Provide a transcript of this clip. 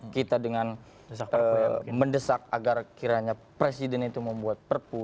kita dengan mendesak agar kiranya presiden itu membuat perpu